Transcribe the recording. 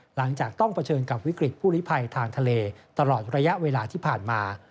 หลังจากต้องเผชิญกับวิกฤตผู้ลิภัยทางทะเลตลอดระยะเวลาที่ผ่านมา